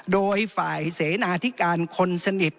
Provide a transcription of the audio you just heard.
โดยฝ่ายเสนาธิการคนสนิท